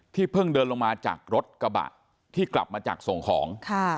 เพิ่งเดินลงมาจากรถกระบะที่กลับมาจากส่งของ